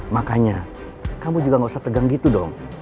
makanya kamu juga gak usah tegang gitu dong